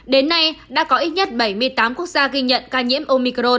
đến nay đã có ít nhất bảy mươi tám quốc gia ghi nhận ca nhiễm omicro